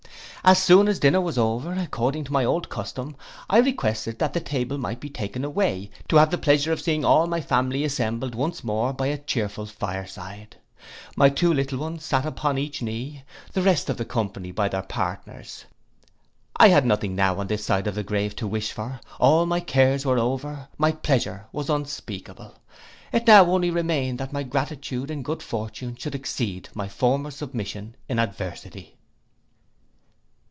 As soon as dinner was over, according to my old custom, I requested that the table might be taken away, to have the pleasure of seeing all my family assembled once more by a chearful fireside. My two little ones sat upon each knee, the rest of the company by their partners. I had nothing now on this side of the grave to wish for, all my cares were over, my pleasure was unspeakable. It now only remained that my gratitude in good fortune should exceed my former submission in adversity.